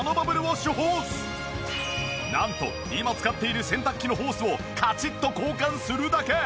なんと今使っている洗濯機のホースをカチッと交換するだけ。